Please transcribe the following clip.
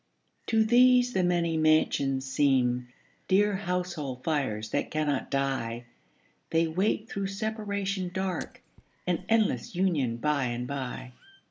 To these the many mansions seem Dear household fires that cannot die; They wait through separation dark An endless union by and by.